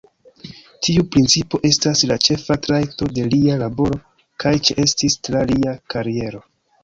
Tiu principo estas la ĉefa trajto de lia laboro kaj ĉeestis tra lia kariero.